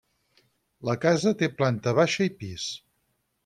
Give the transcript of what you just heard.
La casa té planta baixa i pis.